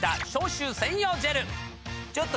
ちょっと。